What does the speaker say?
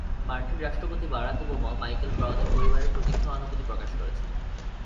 মার্কিন রাষ্ট্রপতি Barack Obama Michael ব্রাউনের পরিবারের প্রতি সহানুভূতি প্রকাশ করেছেন।